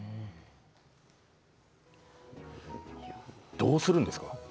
どうするんですか。